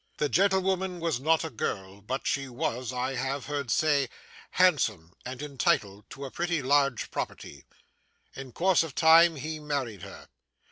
The gentlewoman was not a girl, but she was, I have heard say, handsome, and entitled to a pretty large property. In course of time, he married her.